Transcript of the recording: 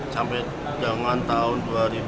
sampai jangkauan tahun dua ribu dua puluh tujuh